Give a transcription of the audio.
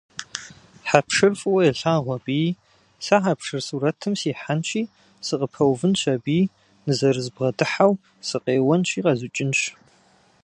Хьэпшыр фӏыуэ елъагъу абыи, сэ хьэпшыр сурэтым сихьэнщи, сыкъыпэувынщ аби, нызэрызбгъэдыхьэу сыкъеуэнщи къэзукӏынщ!